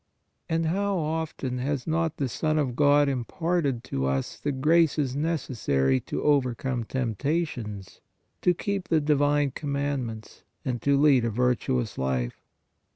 And how often has not the Son of God imparted to us the graces io PRAYER necessary to overcome temptations, to keep the divine commandments and to lead a virtuous life?